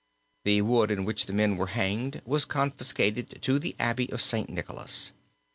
The wood in which the young men were hanged was confiscated to the abbey of St. Nicholas.